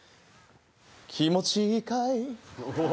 気持ちいいかい？